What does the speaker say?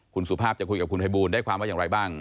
คุณสุภาพจะคุยกับคุณภัยบูลได้ความว่าอย่างไรบ้าง